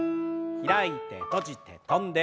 開いて閉じて跳んで。